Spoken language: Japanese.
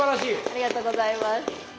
ありがとうございます。